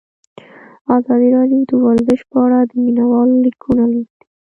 ازادي راډیو د ورزش په اړه د مینه والو لیکونه لوستي.